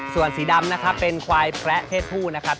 ส่วนสีดำนะครับเป็นควายแคระเพศผู้นะครับ